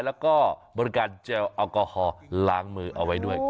แล้วก็บริการเจลแอลกอฮอลล้างมือเอาไว้ด้วย